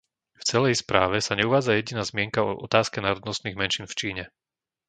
V celej správe sa neuvádza jediná zmienka o otázke národnostných menšín v Číne.